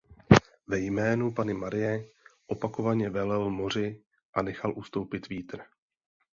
Ve jménu Panny Marie opakovaně velel moři a nechal ustoupit vítr.